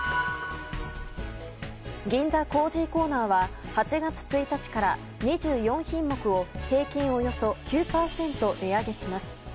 銀座コージーコーナーは８月１日から２４品目を平均およそ９％値上げします。